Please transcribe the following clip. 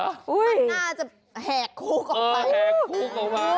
มันน่าจะแหงคุกออกไป